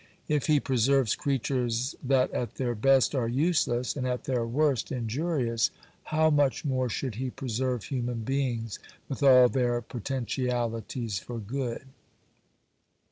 If He preserves creatures that at their best are useless, and at their worst injurious, how much more should He preserve human beings with all their potentialities for good.